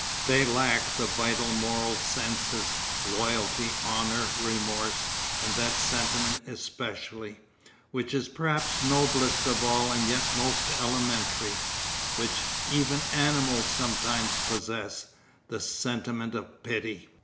They lack the vital moral senses, loyalty, honour, remorse, and that sentiment especially, which is perhaps noblest of all and yet most elementary, which even animals sometimes possess, the sentiment of pity.